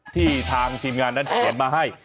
ที่ทางทีมงานดังแขนมาให้